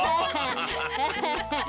ハハハハ！